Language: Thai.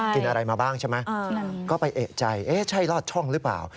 กินอะไรมาบ้างใช่ไหมก็ไปเอกใจเอ๊ะใช่ลอดช่องหรือเปล่า